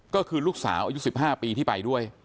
ก็คือลูกสาวอายุ๑๕ปีที่ไปด้วย